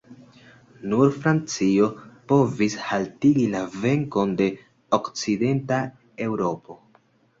Nur Francio povis haltigi la venkon de okcidenta Eŭropo.